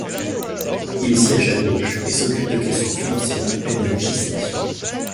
Il siège à gauche et s'occupe de questions financières et de législation.